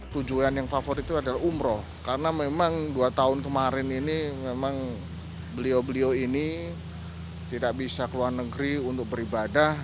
tujuan yang favorit itu adalah umroh karena memang dua tahun kemarin ini memang beliau beliau ini tidak bisa keluar negeri untuk beribadah